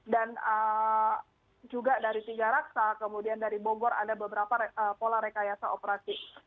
dan juga dari tiga raksa kemudian dari bonggor ada beberapa pola rekayasa operasi